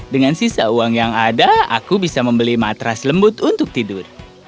dengan sisa uang yang ada aku bisa membeli matras lembut untuk tidur